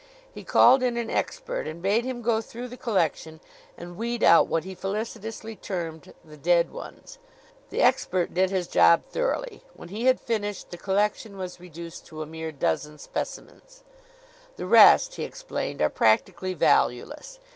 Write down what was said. He called in an expert and bade him go through the collection and weed out what he felicitously termed the "dead ones." The expert did his job thoroughly. When he had finished, the collection was reduced to a mere dozen specimens. "The rest," he explained, "are practically valueless.